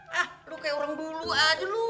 hah lo kayak orang dulu aja lo